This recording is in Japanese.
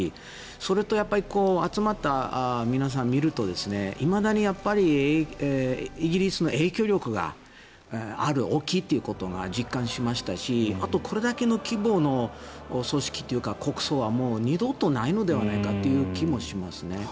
それと、集まった皆さんを見るといまだにイギリスの影響力がある大きいということを実感しましたしあと、これだけの規模の葬式というか国葬はもう二度とないのではないかという気もしますね。